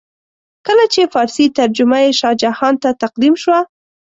کله چې فارسي ترجمه یې شاه جهان ته تقدیم شوه.